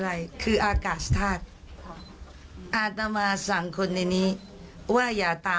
แม่ของแม่ชีอู๋ได้รู้ว่าแม่ของแม่ชีอู๋ได้รู้ว่า